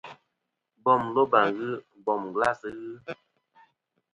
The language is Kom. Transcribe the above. Bom loba ghɨ, bom glas ghɨ.